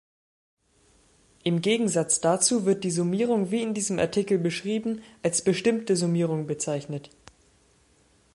Im Gegensatz dazu, wird die Summierung wie in diesem Artikel beschrieben als „bestimmte Summierung“ bezeichnet.